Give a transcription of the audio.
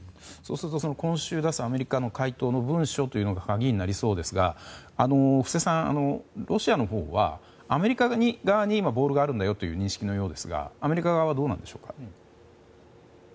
そうすると今週出すアメリカの回答の文書というのが鍵になりそうですが布施さん、ロシアのほうはアメリカ側にボールがあるという認識のようですがアメリカ側はどうなのでしょうか？